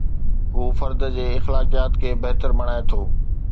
هو فرد جي اخلاقيات کي بهتر بڻائي ٿو.